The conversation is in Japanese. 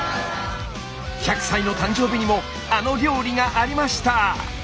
１００歳の誕生日にもあの料理がありました。